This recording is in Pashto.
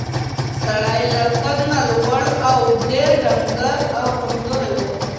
سړی له قد نه لوړ او ډېر ډنګر او کمزوری و.